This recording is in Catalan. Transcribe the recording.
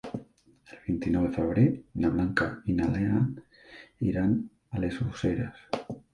El vint-i-nou de febrer na Blanca i na Lea iran a les Useres.